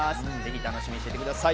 楽しみにしてください